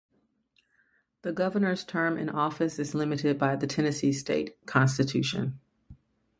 The governor's term in office is limited by the Tennessee state constitution.